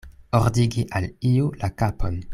Ordigi al iu la kapon.